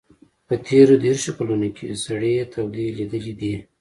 په تېرو دېرشو کلونو کې سړې تودې لیدلي دي.